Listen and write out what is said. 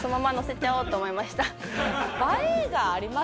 映えがありますね。